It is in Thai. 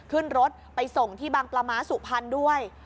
ขึ้นรถไปส่งที่บางปลาม้าสุพรรณด้วย